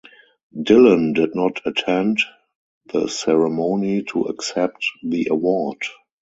Dylan did not attend the ceremony to accept the award.